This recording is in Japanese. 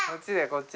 こっち。